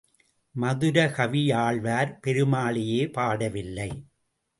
மதுரகவியாழ்வார் பெருமாளையே பாடவில்லை.